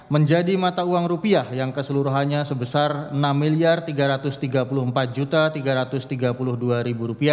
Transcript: menjadi mata uang yang keseluruhannya sebesar rp enam tiga ratus tiga puluh empat tiga ratus tiga puluh dua